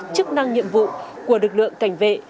chức năng nhiệm vụ của lực lượng cảnh vệ